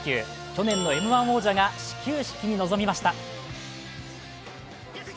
去年のＭ−１王者が始球式に臨みました。